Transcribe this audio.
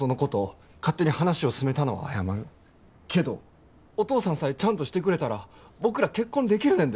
けどお父さんさえちゃんとしてくれたら僕ら結婚できるねんで。